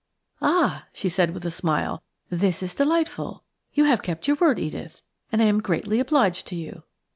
"Ah!" she said, with a smile. "This is delightful. You have kept your word, Edith, and I am greatly obliged to you.